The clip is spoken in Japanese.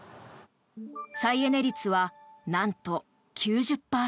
再エネ率はなんと９０％。